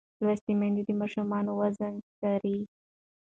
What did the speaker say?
لوستې میندې د ماشوم وزن څاري.